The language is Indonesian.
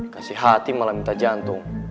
kasih hati malah minta jantung